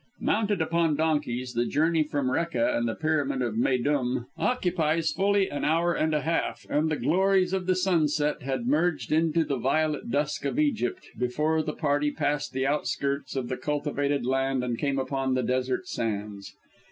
Mounted upon donkeys, the journey from Rekka to the Pyramid of Méydûm occupies fully an hour and a half, and the glories of the sunset had merged into the violet dusk of Egypt before the party passed the outskirts of the cultivated land and came upon the desert sands.